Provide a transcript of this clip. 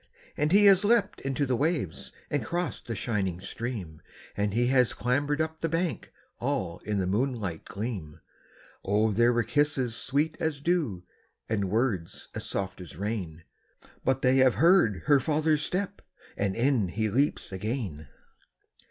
And he has leaped into the waves, and crossed the shining stream, And he has clambered up the bank, all in the moonlight gleam; Oh there were kisses sweet as dew, and words as soft as rain, But they have heard her father's step, and in he leaps again!